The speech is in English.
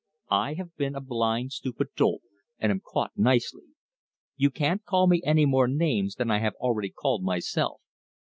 I have been a blind, stupid dolt, and am caught nicely. You can't call me any more names than I have already called myself.